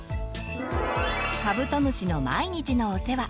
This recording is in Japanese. カブトムシの毎日のお世話。